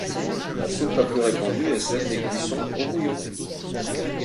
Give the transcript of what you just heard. La soupe la plus répandue est celle des cuissons au bouillon.